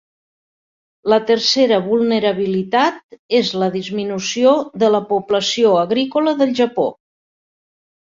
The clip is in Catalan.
La tercera vulnerabilitat és la disminució de la població agrícola del Japó.